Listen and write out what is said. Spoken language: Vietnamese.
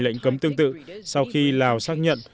lệnh cấm tương tự sau khi lào xác nhận